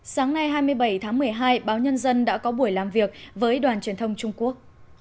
sáng nay hai mươi bảy tháng một mươi hai báo nhân dân đã có buổi làm việc với đoàn truyền thông trung quốc